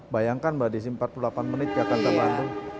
bayangkan mbak desi empat puluh delapan menit jakarta bandung